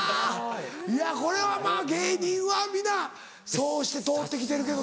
いやこれはまぁ芸人は皆そうして通って来てるけどな。